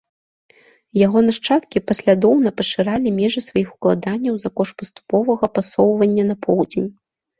Яго нашчадкі паслядоўна пашыралі межы сваіх уладанняў за кошт паступовага пасоўвання на поўдзень.